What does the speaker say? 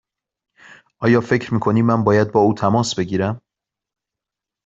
آیا فکر می کنی من باید با او تماس بگیرم؟